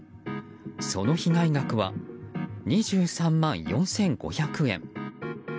その被害額は２３万４５００円。